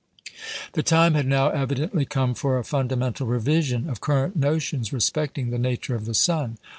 The time had now evidently come for a fundamental revision of current notions respecting the nature of the sun.